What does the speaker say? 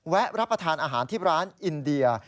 รับประทานอาหารที่ร้านอินเดีย